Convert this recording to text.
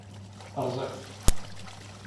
Rẓiɣ-t.